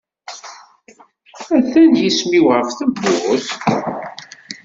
Atan yisem-iw ɣef tewwurt.